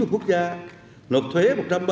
một trăm chín mươi quốc gia nộp thuế một trăm ba mươi một